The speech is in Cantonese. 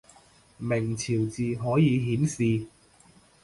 明朝字可以顯示